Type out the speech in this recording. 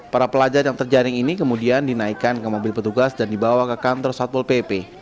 para pelajar yang terjaring ini kemudian dinaikkan ke mobil petugas dan dibawa ke kantor satpol pp